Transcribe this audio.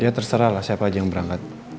ya terserahlah siapa aja yang berangkat